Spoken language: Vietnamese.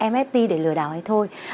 nft để lừa đảo hay thôi